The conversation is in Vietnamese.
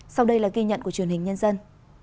sau đây là ghi nhận của truyền hình nhân dân